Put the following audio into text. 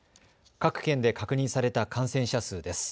各県で確認された感染者数です。